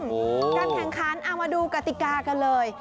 การแข่งขันเอามาดูกติกากันเลย